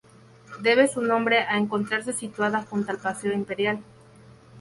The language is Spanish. Debe su nombre a encontrarse situada junto al Paseo Imperial.